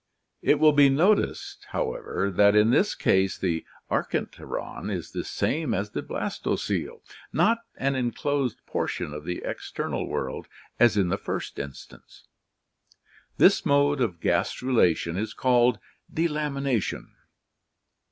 It will be noticed, however, that in this case the archenteron is the same as the blastoccele, not an enclosed portion THE LIFE CYCLE 205 of the external world as in the first instance. This mode of gastrula tion is called delamination.